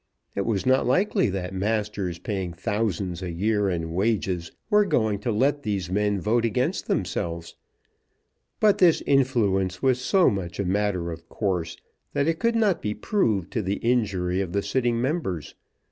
It was not likely that masters paying thousands a year in wages were going to let these men vote against themselves. But this influence was so much a matter of course that it could not be proved to the injury of the sitting members.